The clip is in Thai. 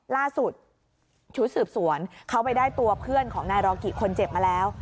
ล่าสุดชุดสืบสวนเขาไปได้ตัวเพื่อนของนายรอกิคนเจ็บมาแล้ว